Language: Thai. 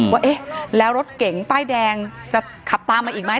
ว่าเอ๊ะแล้วรถเก๋งป้ายแดงจะขับตามมาอีกไหม